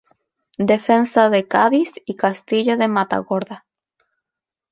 Defensa de Cádiz y castillo de Matagorda.